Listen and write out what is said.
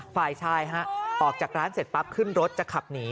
ฝ่ายชายฮะออกจากร้านเสร็จปั๊บขึ้นรถจะขับหนี